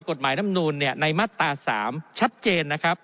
กฎหมายลำนูลในมัตตา๓ชัดเจนนะครับ